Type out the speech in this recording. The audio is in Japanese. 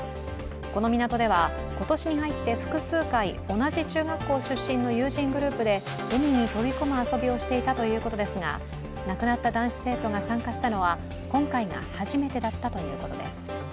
この港では、今年に入って複数回同じ中学校出身の友人グループで海に飛び込む遊びをしていたということですが亡くなった男子生徒が参加したのは今回が初めてだったということです。